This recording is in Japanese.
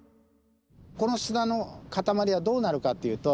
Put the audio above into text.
この砂の塊はどうなるかっていうと。